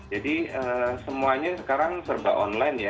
jadi semuanya sekarang serba online ya